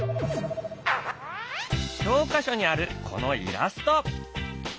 教科書にあるこのイラスト。